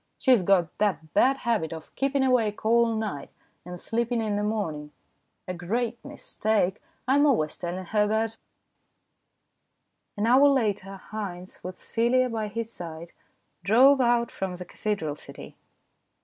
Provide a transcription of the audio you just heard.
She has got the bad habit of keeping awake all night, and sleeping in the morning. A great mistake. I'm always telling her about it." An hour later Haynes, with Celia by his side, drove out from the cathedral city.